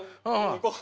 行こう。